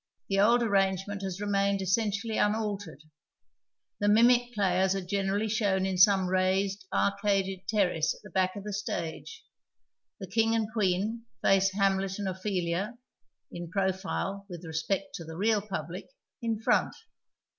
The old arrangement has remained essentially unaltered. Tlie mimic i)layers are generally shown in some raised, areaded terrace at the back of the stage ; the King and Queen face Hamlet and Ophelia (in profile with respect to the real public) in front.